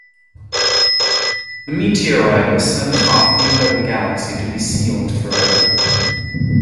The meteorite was sent off into the galaxy to be sealed forever.